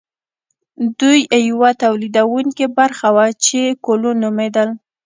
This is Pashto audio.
دوی یوه تولیدونکې برخه وه چې کولون نومیدل.